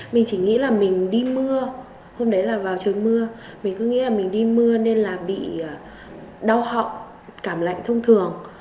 mình có nghĩ là mình đi mưa nên là bị đau họng cảm lạnh thông thường